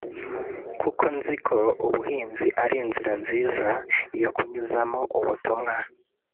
Kuko nzi ko ubuhanzi ari inzira nziza yo kunyuzamo ubutumwa